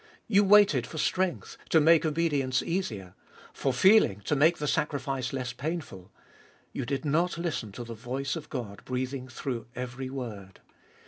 You waited for strength, to make obedience easier ; for feeling, to make the sacrifice less painful. You did not listen to the voice of God breathing through every word.